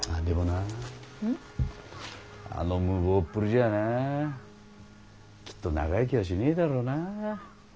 でもなぁあの無謀っぷりじゃなあきっと長生きはしねえだろうなぁ。